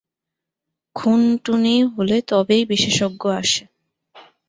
খুনটুনি হলে তবেই বিশেষজ্ঞ আসে।